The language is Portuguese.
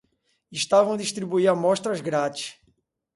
Estavam a distribuir amostras grátis.